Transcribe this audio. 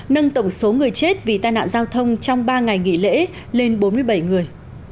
nâng tổng số người chết vì tai nạn giao thông trong ba ngày nghỉ lễ lên bốn mươi bảy người